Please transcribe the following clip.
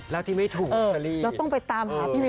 แล้วที่ไม่ถูกตัลลี้